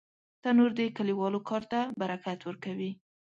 تنور د کلیوالو کار ته برکت ورکوي